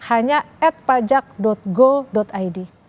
hanya at pajak go id